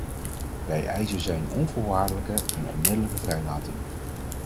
Wij eisen zijn onvoorwaardelijke en onmiddellijke vrijlating.